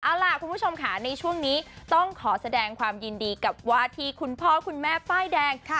เอาล่ะคุณผู้ชมค่ะในช่วงนี้ต้องขอแสดงความยินดีกับวาทีคุณพ่อคุณแม่ป้ายแดง